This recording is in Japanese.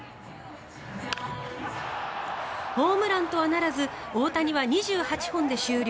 ホームランとはならず大谷は２８本で終了。